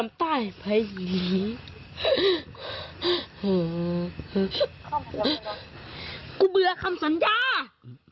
มันคุยกับกับมึง